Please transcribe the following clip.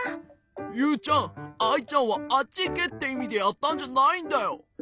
ユウちゃんアイちゃんはあっちいけっていみでやったんじゃないんだよ。